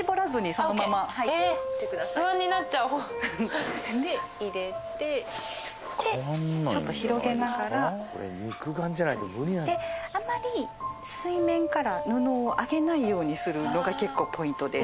そのまま不安になっちゃうで入れてでちょっと広げながらこれ肉眼じゃないと無理あまり水面から布を上げないようにするのが結構ポイントです